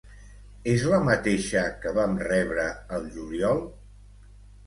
És la mateixa que vam rebre al juliol?